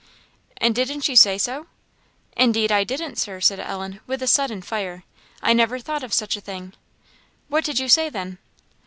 "And didn't you say so?" "Indeed I didn't, Sir!" said Ellen, with a sudden fire. "I never thought of such a thing!" "What did you say then?"